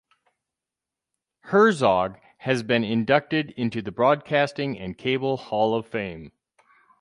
Herzog has been inducted into the Broadcasting and Cable Hall of Fame.